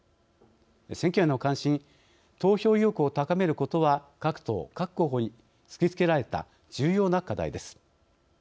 選挙への関心、投票意欲を高めることは各党・各候補に突きつけられた重要な課題です。